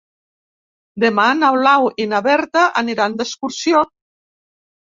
Demà na Blau i na Berta aniran d'excursió.